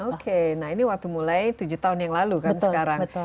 oke nah ini waktu mulai tujuh tahun yang lalu kan sekarang